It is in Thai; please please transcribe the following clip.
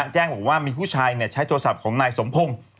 แจ้งบอกว่ามีผู้ชายใช้โทรศัพท์ของนายสมพงศ์